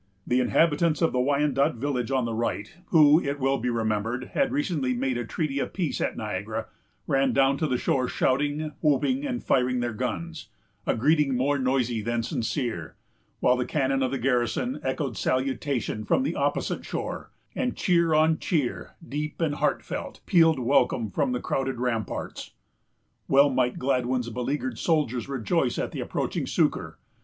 The inhabitants of the Wyandot village on the right, who, it will be remembered, had recently made a treaty of peace at Niagara, ran down to the shore, shouting, whooping, and firing their guns,——a greeting more noisy than sincere,——while the cannon of the garrison echoed salutation from the opposite shore, and cheer on cheer, deep and heartfelt, pealed welcome from the crowded ramparts. Well might Gladwyn's beleaguered soldiers rejoice at the approaching succor.